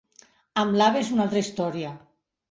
Amb l'Abe és una altra història.